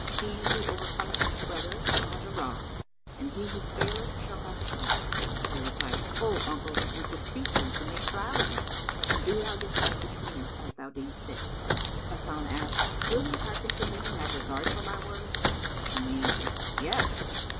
He who overcometh his brother shall have the rod and he who faileth shall have the cap." They replied, "O uncle, we depute thee to make trial of us and do thou decide between us as thou deems fit." Hasan asked, "Will ye hearken to me and have regard to my words?"; and they answered, "Yes."